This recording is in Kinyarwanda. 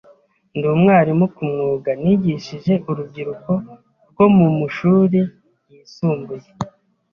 Ndi Umwarimu ku mwuga...nigishije urubyiruko rwo mushuri yisumbuye